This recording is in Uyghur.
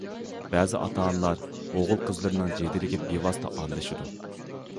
بەزى ئاتا- ئانىلار ئوغۇل- قىزلىرىنىڭ جېدىلىگە بىۋاسىتە ئارىلىشىدۇ.